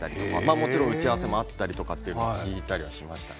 もちろん打ち合わせもあったりと聞いたりしましたね。